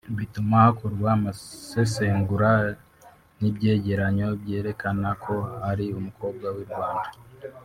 bituma hakorwa amasesengura n’ibyegeranyo byerekana ko ari umukobwa w’i Rwanda